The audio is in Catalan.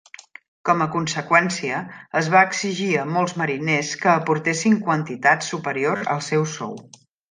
Com a conseqüència, es va exigir a molts mariners que aportessin quantitats superiors al seu sou.